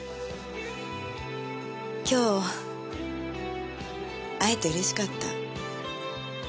今日会えて嬉しかった。